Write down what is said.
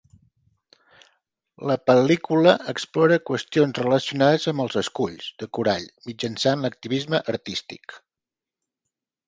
La pel·lícula explora qüestions relacionades amb els esculls de corall mitjançant l'activisme artístic.